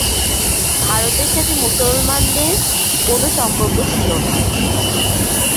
ভারতের সাথে মুসলমানদের কোনো সম্পর্ক ছিল না।